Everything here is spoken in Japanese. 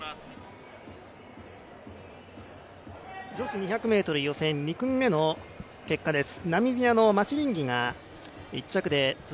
女子２００ｍ予選２組目の結果です。